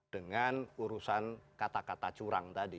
dengan urusan kata kata curang tadi